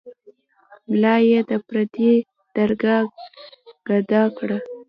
ملا یې د پردي درګاه ګدا کړ.